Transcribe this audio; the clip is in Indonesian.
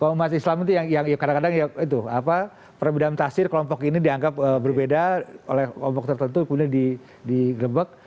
kalau kaumat islam itu yang kadang kadang itu apa perbedaan tasir kelompok ini dianggap berbeda oleh kelompok tertentu kemudian di gebek